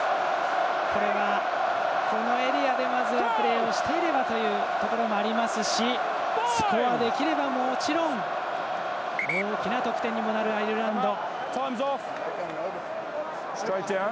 これがこのエリアでまずプレーをしていればというところもありますしスコアできれば、もちろん大きな得点にもなるアイルランド。